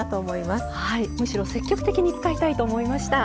むしろ積極的に使いたいと思いました。